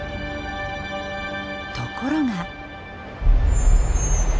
ところが。